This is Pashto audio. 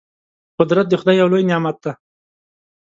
قدرت د خدای یو لوی نعمت دی.